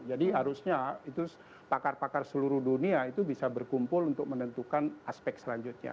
jadi harusnya pakar pakar seluruh dunia itu bisa berkumpul untuk menentukan aspek selanjutnya